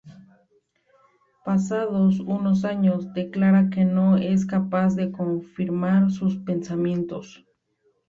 Pasados unos años, declara que no es capaz de confirmar sus pensamientos.